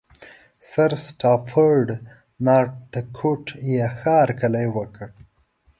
سرسټافرډ نارتکوټ یې ښه هرکلی وکړ.